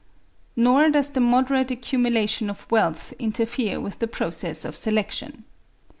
Nor does the moderate accumulation of wealth interfere with the process of selection.